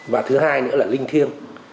và thứ hai nữa là linh thiêng